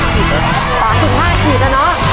ประสุทธิ์๕ขีดนะ